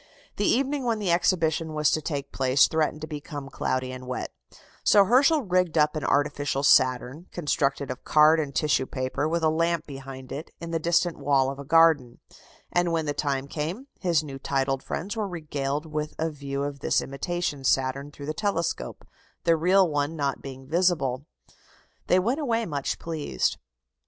The evening when the exhibition was to take place threatened to become cloudy and wet, so Herschel rigged up an artificial Saturn, constructed of card and tissue paper, with a lamp behind it, in the distant wall of a garden; and, when the time came, his new titled friends were regaled with a view of this imitation Saturn through the telescope the real one not being visible. They went away much pleased.